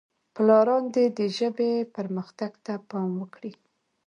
پلاران دې د ژبې پرمختګ ته پام وکړي.